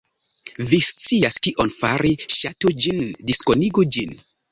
Vi scias kion fari - Ŝatu ĝin, diskonigu ĝin